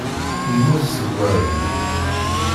Yemmut seg uɛeyyu.